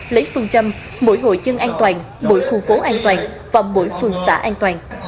lấy phương châm mỗi hội dân an toàn mỗi khu phố an toàn và mỗi phường xã an toàn